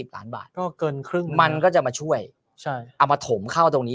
ล้านบาทก็เกินครึ่งมันก็จะมาช่วยเอามาถมเข้าตรงนี้